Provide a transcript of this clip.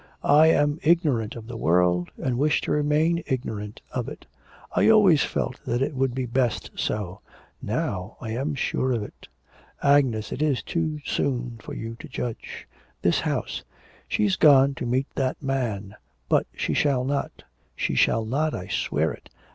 I am ignorant of the world and wish to remain ignorant of it. I always felt that it would be best so, now I am sure of it.' 'Agnes, it is too soon for you to judge. This house ' 'She's gone to meet that man; but she shall not. She shall not! I swear it!